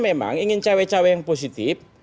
memang ingin cawai cawai yang positif